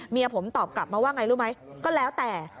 เมียผมตอบกลับมาว่าไงรู้ไหมก็แล้วแต่